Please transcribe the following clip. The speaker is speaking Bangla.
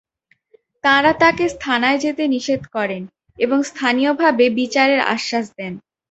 তাঁরা তাঁকে থানায় যেতে নিষেধ করেন এবং স্থানীয়ভাবে বিচারের আশ্বাস দেন।